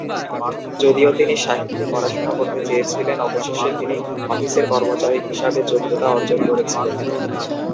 যদিও তিনি সাহিত্য পড়াশোনা করতে চেয়েছিলেন, অবশেষে তিনি অফিসের কর্মচারী হিসাবে যোগ্যতা অর্জন করেছিলেন।